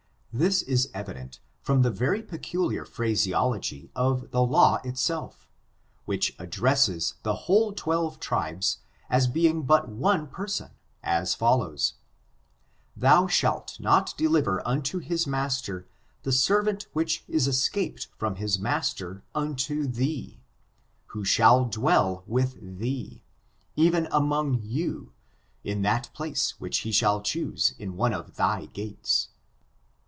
This is evident fi»m the very peculiar phraseology of the law itself, which addresses the whole twelve tribes as being but one person, as follows :^' Thou shaU not deliver unto his master the servant which is escaped from his master unto ^hee : he shall dwell with thee^ even among you, in that place which he shall choose in one of thy gates."